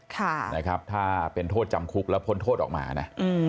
ค่ะนะครับถ้าเป็นโทษจำคุกแล้วพ้นโทษออกมานะ